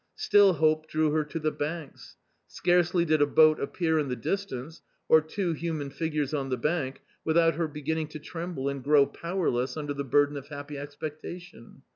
Still hope drew her to the banks ; scarcely did a boat appear in the distance, or two human figures on the bank, without her beginning to tremble and grow powerless under the burden of happy expectation.